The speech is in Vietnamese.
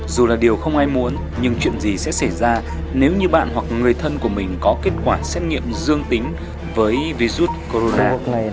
dù là điều không ai muốn nhưng chuyện gì sẽ xảy ra nếu như bạn hoặc người thân của mình có kết quả xét nghiệm dương tính với virus corona